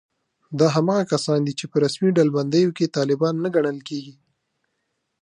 دا هماغه کسان دي چې په رسمي ډلبندیو کې طالبان نه ګڼل کېږي